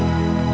saya ikut bapak